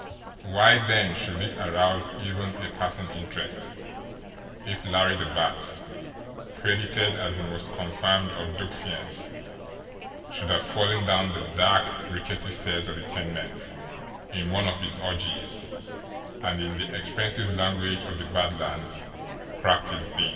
Why then should it arouse even a passing interest if Larry the Bat, credited as the most confirmed of dope fiends, should have fallen down the dark, rickety stairs of the tenement in one of his orgies, and, in the expressive language of the Bad Lands, cracked his bean!